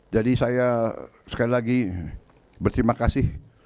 jadi saya sekali lagi berterima kasih